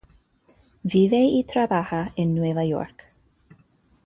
Vive y trabaja en Nueva York.